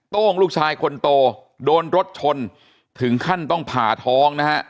โต้งลูกชายคนโตโดนรถชนถึงขั้นต้องผ่าท้องนะฮะ